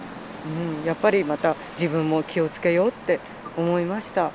やっぱりまた自分も気をつけようって思いました。